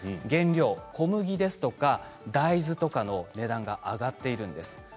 原料小麦ですとか大豆ですとかの値段が上がっているんです。